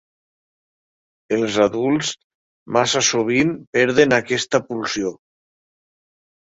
Els adults massa sovint perden aquesta pulsió.